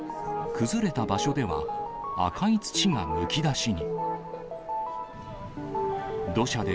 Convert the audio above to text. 崩れた場所では、赤い土がむき出しに。